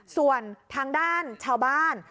ส่วนทางด้านชาวบ้าน